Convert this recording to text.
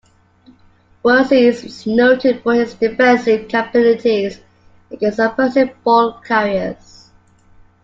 Worsley is noted for his defensive capabilities against opposing ball-carriers.